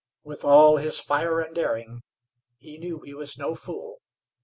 With all his fire and daring he new he was no fool.